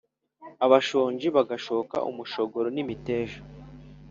abashonji bagashoka umushogoro n’imiteja